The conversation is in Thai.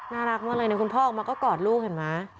น่ารักมากเลยเนี่ยคุณพ่อออกมาก็กอดลูกเห็นไหม